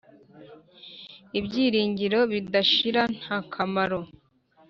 ibyiringiro bidashira nta kamaro